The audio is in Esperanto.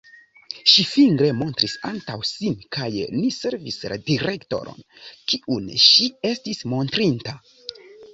Ŝi fingre montris antaŭ sin kaj ni sekvis la direkton, kiun ŝi estis montrinta.